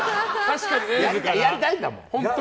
やりたいんだもん。